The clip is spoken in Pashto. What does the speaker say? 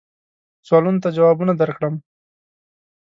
سوالونو ته جوابونه درکړم.